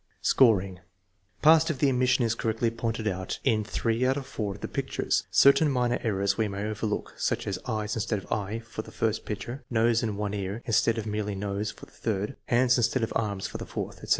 Scoring. Passed if the omission is correctly pointed out in threejiut of four of the pictures. Certain minor errors we may overlook, such as " eyes " instead of " eye " for the first picture; " nose and one ear " instead of merely " nose " for the third; " hands " instead of " arms " for the fourth, etc.